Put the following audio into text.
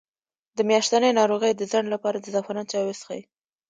د میاشتنۍ ناروغۍ د ځنډ لپاره د زعفران چای وڅښئ